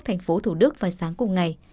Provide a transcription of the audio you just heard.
thành phố thủ đức vào sáng cùng ngày